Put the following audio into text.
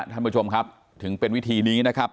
ท่านผู้ชมครับถึงเป็นวิธีนี้นะครับ